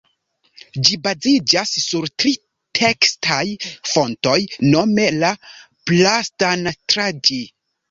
Ĝi baziĝas sur tri tekstaj fontoj nome la "Prasthanatraĝi".